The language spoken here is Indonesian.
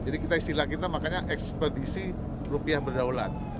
jadi kita istilah kita makanya ekspedisi rupiah berdaulat